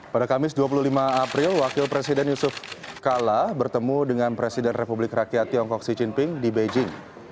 pada kamis dua puluh lima april wakil presiden yusuf kala bertemu dengan presiden republik rakyat tiongkok xi jinping di beijing